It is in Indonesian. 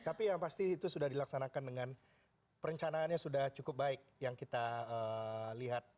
tapi yang pasti itu sudah dilaksanakan dengan perencanaannya sudah cukup baik yang kita lihat